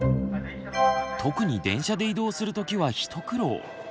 特に電車で移動する時は一苦労。